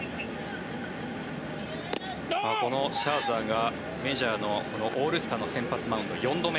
このシャーザーがメジャーのオールスターの先発マウンド、４度目。